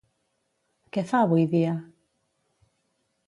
Què fa avui dia?